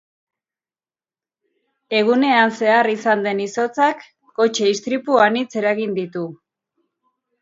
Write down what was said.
Egunean zehar izan den izotzak kotxe istripu anitz eragin ditu.